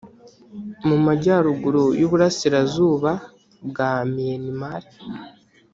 mu majyaruguru y uburasirazuba bwa miyanimari